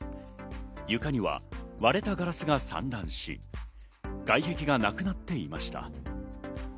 床には割れたガラスが散乱し、外壁がなくなっていました。